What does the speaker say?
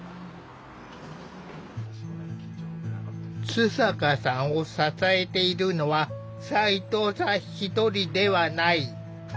津坂さんを支えているのは斉藤さん１人ではない。